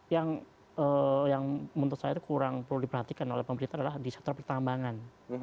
yang menurut saya kurang perlu diperhatikan oleh pemerintah adalah di sektor pertambangan